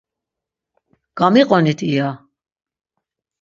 Gamiqonit iya!